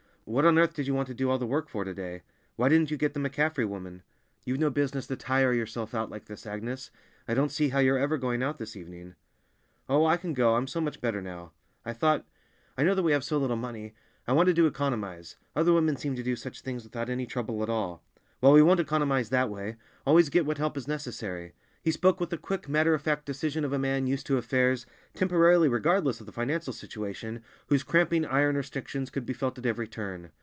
"What on earth did you want to do all the work for, to day? Why didn't you get the McCaffrey woman? You've no business to tire yourself out like this, Agnes. I don't see how you're ever going out this evening!" "Oh, I can go, I'm so much better now. I thought—I know that we have so little money—I wanted to economize; other women seem to do such things without any trouble at all." "Well, we won't economize that way. Always get what help is necessary." He spoke with the quick, matter of fact decision of a man used to affairs, temporarily regardless of the financial situation, whose cramping iron restrictions could be felt at every turn.